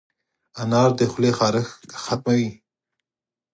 انار د خولې خارش ختموي.